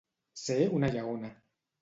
Ser una lleona.